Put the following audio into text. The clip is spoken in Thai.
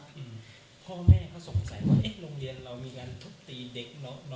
พ่อแม่เขาสงสัยว่าเอ๊ะโรงเรียนเรามีการทุบตีเด็กน้องน้องเขาด้วยกว่าเราชี้แจ่ง